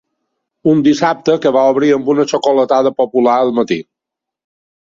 Un dissabte que va obrir amb una xocolatada popular al matí.